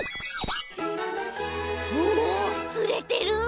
おおつれてる！